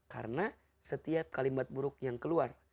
karena setiap kalimat buruk yang keluar